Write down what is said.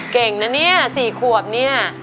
เก่งนะเนี่ย๔ขวบเนี่ย